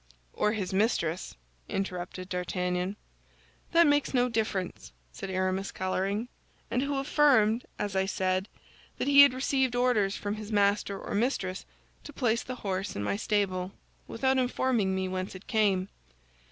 "Or his mistress," interrupted D'Artagnan. "That makes no difference," said Aramis, coloring; "and who affirmed, as I said, that he had received orders from his master or mistress to place the horse in my stable, without informing me whence it came."